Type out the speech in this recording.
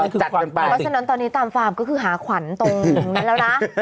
รอสนานตอนนี้ตามฟางก็คือหาขวัญตรงแล้วนะ